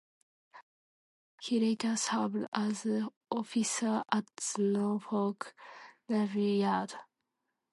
He later served as Officer at the Norfolk Navy Yard.